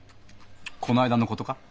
この間のことか？